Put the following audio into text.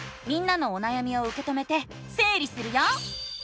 みんなのおなやみをうけ止めてせい理するよ！